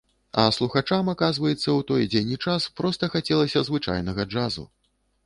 А слухачам, аказваецца, у той дзень і час, проста хацелася звычайнага джазу.